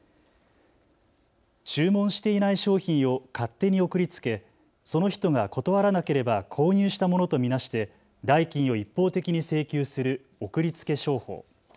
注文していない商品を勝手に送りつけ、その人が断らなければ購入したものと見なして代金を一方的に請求する送りつけ商法。